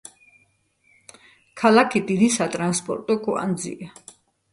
ქალაქი დიდი სატრანსპორტო კვანძია.